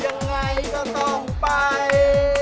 ยังไงก็ต้องไป